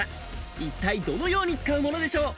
一体どのように使うものでしょう。